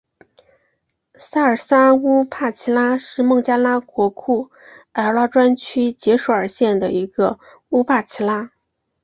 沙尔沙乌帕齐拉是孟加拉国库尔纳专区杰索尔县的一个乌帕齐拉。